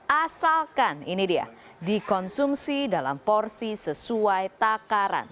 asalkan dikonsumsi dalam porsi sesuai takaran